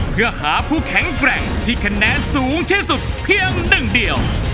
เพื่อหาผู้แข็งแกร่งที่คะแนนสูงที่สุดเพียงหนึ่งเดียว